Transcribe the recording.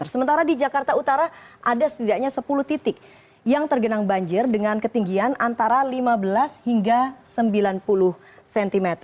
sementara di jakarta utara ada setidaknya sepuluh titik yang tergenang banjir dengan ketinggian antara lima belas hingga sembilan puluh cm